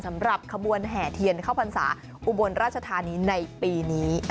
สำหรับขบวนแห่เทียนเข้าพรรษาอุบลราชธานีในปีนี้